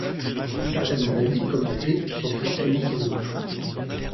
Certaines maladies comme la grippe sont fortement saisonnières.